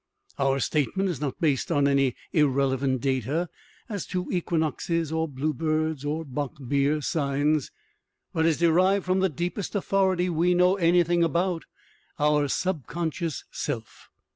Our statement is not based on any irrelevant data as to equinoxes or bluebirds or bock beer signs, but is derived from the deepest authority we know anything about, our subconscious self.